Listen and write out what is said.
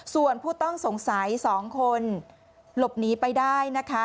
ส่วนผู้ต้องสงสัย๒คนหลบหนีไปได้นะคะ